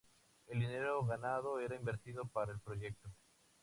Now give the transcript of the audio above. El dinero ganado era invertido para el proyecto.